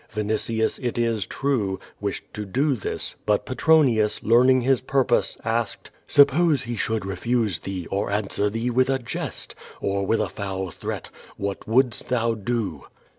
Vinitius, it is true, wished to do this, but Petronius, learning his purpose, asked: "Suppose he should refuse thee, or answer thee with a jest, or with a foul threat, wliat wouldst thou do?"